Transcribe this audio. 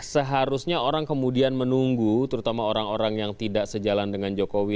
seharusnya orang kemudian menunggu terutama orang orang yang tidak sejalan dengan jokowi